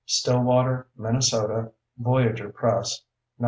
_ Stillwater, Minnesota: Voyageur Press, 1989.